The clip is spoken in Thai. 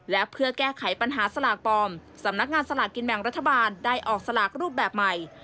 และเพื่อแก้ไขปัญหาสลากปลอมสำนักงานสลากกินแบ่งรัฐบาลได้ออกสลากรูปแบบใหม่